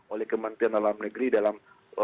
oleh kementerian dalam negeri dalam